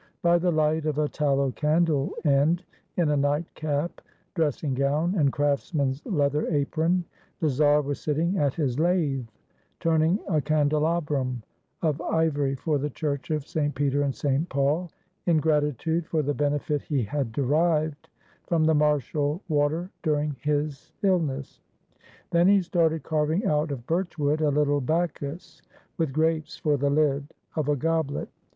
By the light of a tallow candle end, in a night cap, dressing gown, and crafts man's leather apron, the czar was sitting at his lathe turning a candelabrum of ivory for the Church of St. Peter and St. Paul, in gratitude for the benefit he had derived from the Martial water during his illness. Then he started carving out of birch wood a little Bacchus with grapes for the lid of a goblet.